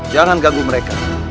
jangan ganggu mereka